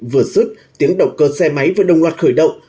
vừa sức tiếng động cơ xe máy với đồng loạt khởi động